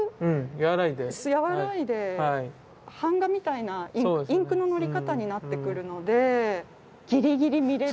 和らいで版画みたいなインクののり方になってくるのでギリギリ見れる。